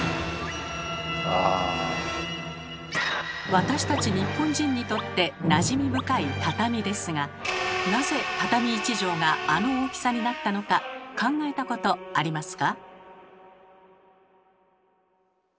私たち日本人にとってなじみ深い畳ですがなぜ畳１畳があの大きさになったのか考えたことありますか？